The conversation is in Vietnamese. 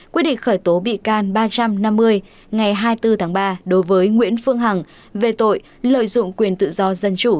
quyết định khởi tố bị can ba trăm năm mươi ngày hai mươi bốn tháng ba đối với nguyễn phương hằng về tội lợi dụng quyền tự do dân chủ